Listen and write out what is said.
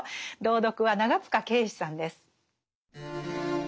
朗読は長塚圭史さんです。